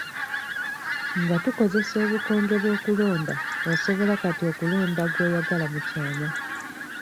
Nga tukozesa obukonge bw'okulonda osobola kati okulonda gw'oyagala mu kyama.